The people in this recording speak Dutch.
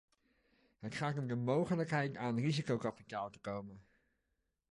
Het gaat om de mogelijkheid aan risicokapitaal te komen.